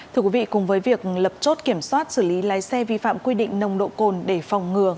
thưa quý vị cùng với việc lập chốt kiểm soát xử lý lái xe vi phạm quy định nồng độ cồn để phòng ngừa